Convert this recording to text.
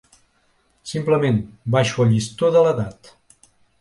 Simplement, baixo el llistó de l’edat.